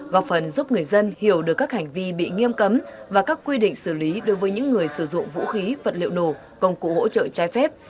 góp phần giúp người dân hiểu được các hành vi bị nghiêm cấm và các quy định xử lý đối với những người sử dụng vũ khí vật liệu nổ công cụ hỗ trợ trái phép